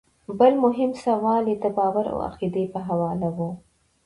بل مهم سوال ئې د باور او عقيدې پۀ حواله وۀ